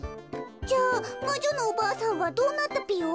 じゃあまじょのおばあさんはどうなったぴよ？